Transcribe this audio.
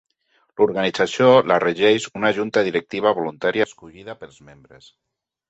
L'organització la regeix una junta directiva voluntària escollida pels membres.